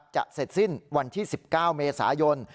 จะเสร็จสิ้นวันที่๑๙เมษายน